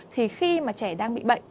thì khi mà trẻ đang bị bệnh